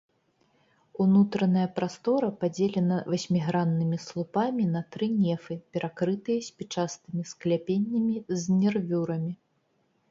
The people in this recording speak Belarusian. Унутраная прастора падзелена васьміграннымі слупамі на тры нефы, перакрытыя спічастымі скляпеннямі з нервюрамі.